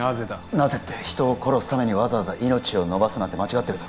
なぜって人を殺すためにわざわざ命を延ばすなんて間違ってるだろ